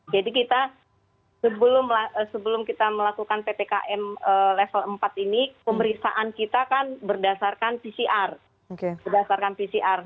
jadi kita sebelum kita melakukan ptkm level empat ini pemeriksaan kita kan berdasarkan pcr